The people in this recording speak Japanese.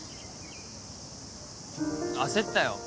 焦ったよ。